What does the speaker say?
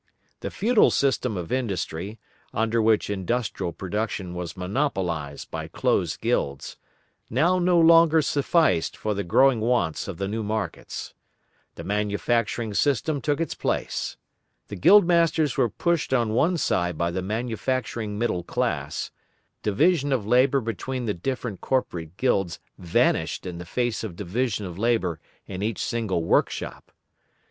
The feudal system of industry, under which industrial production was monopolised by closed guilds, now no longer sufficed for the growing wants of the new markets. The manufacturing system took its place. The guild masters were pushed on one side by the manufacturing middle class; division of labour between the different corporate guilds vanished in the face of division of labour in each single workshop.